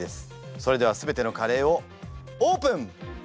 それでは全てのカレーをオープン！